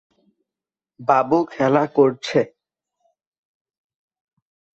বাবু খেলা করছে।